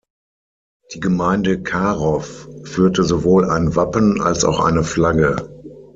Die Gemeinde Karow führte sowohl ein Wappen, als auch eine Flagge.